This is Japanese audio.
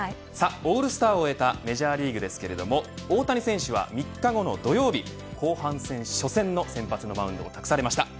オールスターを終えたメジャーリーグですけど大谷選手は、３日後の土曜日後半戦初戦の先発のマウンドを託されました。